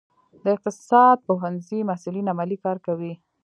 د اقتصاد پوهنځي محصلین عملي کار کوي؟